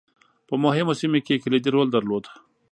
په مهمو سیمو کې یې کلیدي رول درلود.